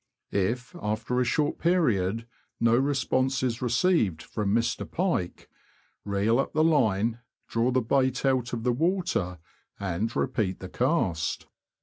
If, after a short period, no response is received from Mr. Pike, reel up the line, draw the bait out of the water, and repeat the cast.